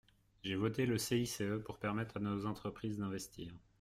J’ai voté le CICE pour permettre à nos entreprises d’investir.